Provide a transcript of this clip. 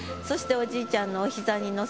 そしておじいちゃんの